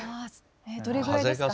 どれぐらいですか？